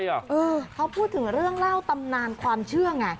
เออเขาพูดถึงเรื่องเล่าตำนานความเชื่อไง